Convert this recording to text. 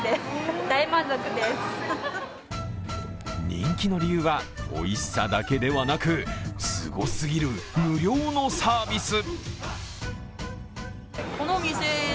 人気の理由は、おいしさだけではなく、すごすぎる無料のサービス。